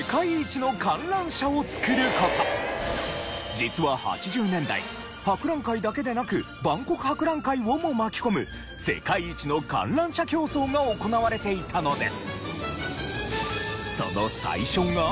実は８０年代博覧会だけでなく万国博覧会をも巻き込む世界一の観覧車競争が行われていたのです。